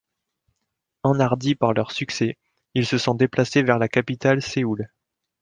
Enhardis par leur succès, ils se sont déplacés vers la capitale Séoul.